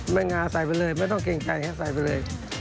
งาใส่ไปเลยไม่ต้องเกรงใจให้ใส่ไปเลย